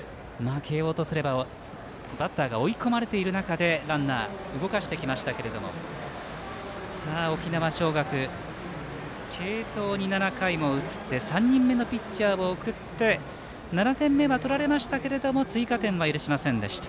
慶応とすればバッターが追い込まれている中でランナーを動かしてきましたが沖縄尚学、継投に７回も移って３人目のピッチャーを送って７点目はとられましたけれども追加点は許しませんでした。